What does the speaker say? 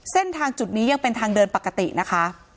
เส้นทางจุดนี้ยังเป็นทางเดินปกตินะคะ